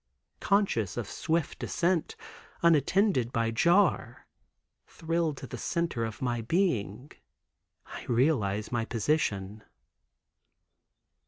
Conscious of swift descent, unattended by jar, thrilled to the center of my being, I realize my position.